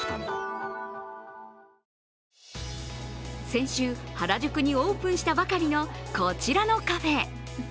先週、原宿にオープンしたばかりのこちらのカフェ。